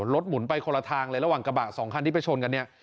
หมุนไปคนละทางเลยระหว่างกระบะสองคันที่ไปชนกันเนี่ย